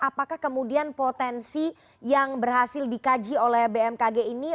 apakah kemudian potensi yang berhasil dikaji oleh bmkg ini